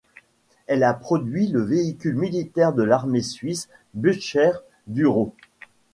Elle a produit le véhicule militaire de l'armée suisse Bucher Duro.